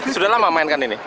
sudah lama memainkan ini